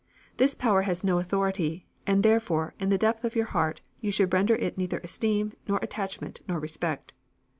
This power has no authority, and, therefore, in the depth of your heart, you should render it neither esteem, nor attachment, nor respect.